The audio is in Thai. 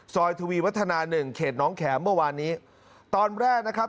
ทวีวัฒนาหนึ่งเขตน้องแข็มเมื่อวานนี้ตอนแรกนะครับ